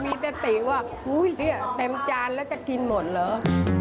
มีแต่ติว่าเฮ้ยเต็มจานแล้วจะกินหมดเหรอ